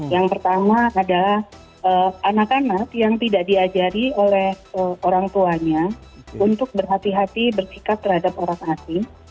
yang pertama adalah anak anak yang tidak diajari oleh orang tuanya untuk berhati hati bersikap terhadap orang asing